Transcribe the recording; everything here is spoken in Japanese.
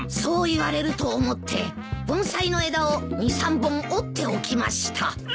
そう言われると思って盆栽の枝を２３本折っておきました。